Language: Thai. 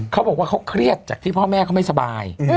เขาบอกว่าเขาเครียดจากที่พ่อแม่เขาไม่สบาย